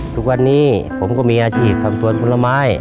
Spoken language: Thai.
ทุกวันนี้ผมก็มีอาชีพทำสวนผลไม้